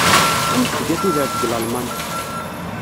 Amek tga tudert deg Lalman?